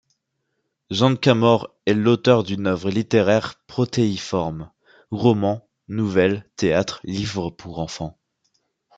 Janka Maur est l'auteur d'une œuvre littéraire protéiforme: romans, nouvelles, théâtre, livres pour enfants...